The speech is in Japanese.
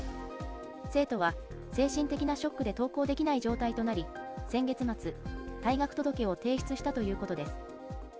生徒は、精神的なショックで登校できない状態となり、先月末、退学届を提出したということです。